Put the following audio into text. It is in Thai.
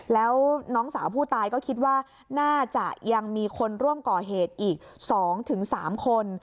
แล้วน้องสาวผู้ตายก็คิดว่าน่าจะยังมีคนร่วมก่อเหตุอีก๒๓คน